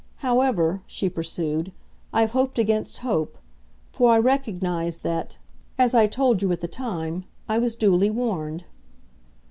However," she pursued, "I've hoped against hope, for I recognise that, as I told you at the time, I was duly warned."